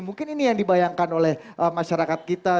mungkin ini yang dibayangkan oleh masyarakat kita